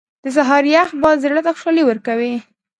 • د سهار یخ باد زړه ته خوشحالي ورکوي.